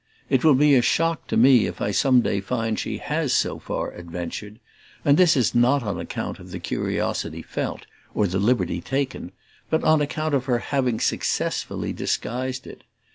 It will be a shock to me if I some day find she has so far adventured and this not on account of the curiosity felt or the liberty taken, but on account of her having successfully disguised it.